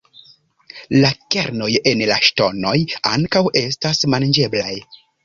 La kernoj en la ŝtonoj ankaŭ estas manĝeblaj.